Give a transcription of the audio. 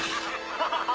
ハハハハ！